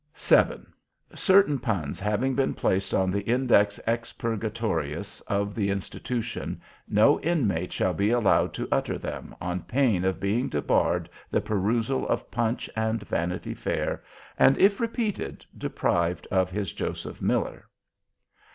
7. Certain Puns having been placed on the Index Expurgatorius of the Institution, no Inmate shall be allowed to utter them, on pain of being debarred the perusal of Punch and Vanity Fair, and, if repeated, deprived of his Joseph Miller.